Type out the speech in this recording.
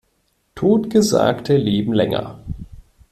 Totgesagte leben länger.